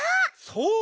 そう！